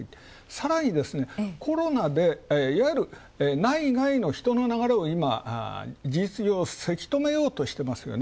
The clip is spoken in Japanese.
さらに、コロナでいわゆる内外の人の流れを事実上、せきとめようとしてますよね。